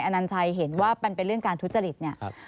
อันนั้นชัยเห็นว่าเป็นเรื่องการทุจจฤทธิ์